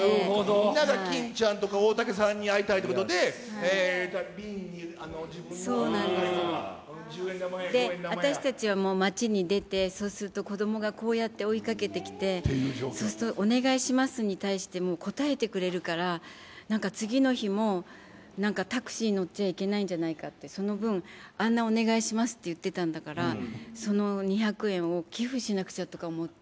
みんなが欽ちゃんとか、大竹さんに会いたいってことで、瓶に、私たちはもう街に出て、そうすると子どもがこうやって追いかけてきて、そうすると、お願いしますに対して、応えてくれるから、なんか次の日も、なんかタクシー乗っちゃいけないんじゃないかって、その分、あんなお願いしますって言ってたんだから、その２００円を寄付しなくちゃとか思って。